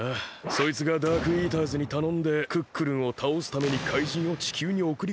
そいつがダークイーターズにたのんでクックルンをたおすために怪人を地球におくりこんでるわけだ。